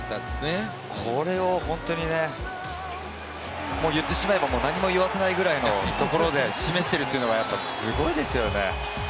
これを本当にね、言ってしまえば、何も言わせないぐらいのところで示しているというのは本当にすごいですよね。